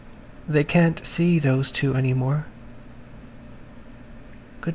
They can't see those two any more.